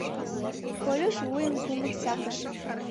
Колюш вуйым кумык сакыш.